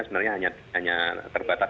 sebenarnya hanya terbatas